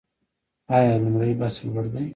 آیا لومړی بست لوړ دی؟